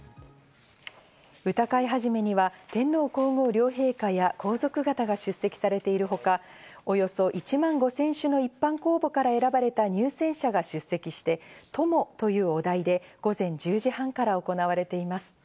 歌会始には天皇皇后両陛下や皇族方が出席されているほか、およそ１万５０００首の一般公募から選ばれた入選者が出席して、「友」というお題で、午前１０時半から行われています。